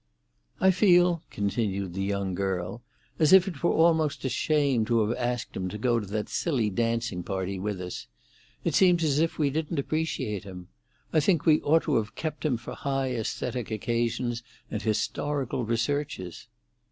"I feel," continued the young girl, "as if it were almost a shame to have asked him to go to that silly dancing party with us. It seems as if we didn't appreciate him. I think we ought to have kept him for high aesthetic occasions and historical researches."